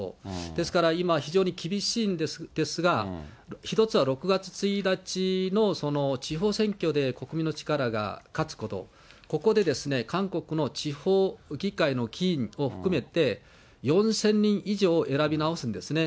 ですから今、非常に厳しいんですが、一つは６月１日の地方選挙で国民の力が勝つこと、ここで韓国の地方議会の議員を含めて、４０００人以上を選び直すんですね。